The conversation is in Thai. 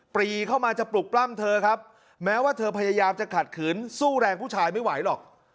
ปรีเข้ามาจะปลุกปล้ำเธอครับแม้ว่าเธอพยายามจะขัดขืนสู้แรงผู้ชายไม่ไหวหรอก